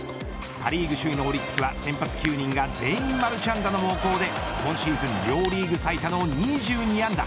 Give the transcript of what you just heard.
パ・リーグ首位のオリックスは先発９人が全員マルチ安打の猛攻で今シーズン両リーグ最多の２２安打。